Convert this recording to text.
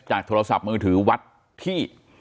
โทรศัพท์มือถือวัดที่